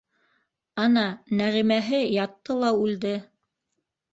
Ана, Нәғимәһе ятты ла үлде.